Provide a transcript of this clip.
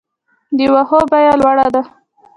د واښو بیه لوړه ده؟